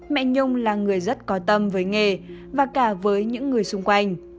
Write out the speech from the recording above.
mẹ nhung là người rất có tâm với nghề và cả với những người xung quanh